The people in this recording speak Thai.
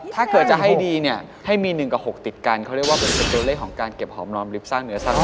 ถ้าเกิดจะให้ดีเนี่ยให้มี๑กับ๖ติดกันเขาเรียกว่าเป็นตัวเลขของการเก็บหอมรอมลิฟต์สร้างเนื้อสร้าง